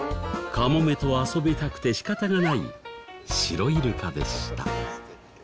カモメと遊びたくて仕方がないシロイルカでした。